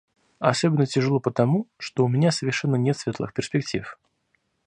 Особенно тяжело потому, что у меня совершенно нет светлых перспектив.